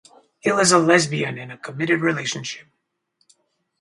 Hill is a lesbian in a committed relationship.